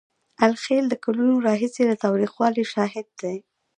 الخلیل د کلونو راهیسې د تاوتریخوالي شاهد دی.